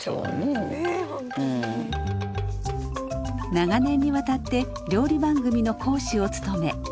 長年にわたって料理番組の講師を務め。